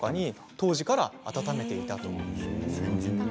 当時から温めていたということです。